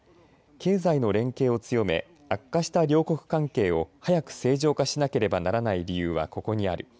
経済の連携を強め悪化した両国関係を早く正常化しなければならない理由はここにある。